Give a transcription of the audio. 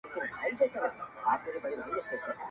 د زمري داسي تابع وو لکه مړی،